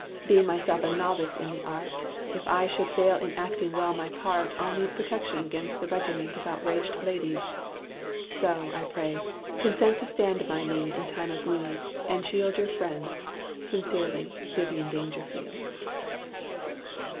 Being myself a novice in the art If I should fail in acting well my part, I'll need protection 'gainst the regiment Of outraged ladies. So, I pray, consent To stand by me in time of need, and shield Your friend sincerely, Vivian Dangerfield."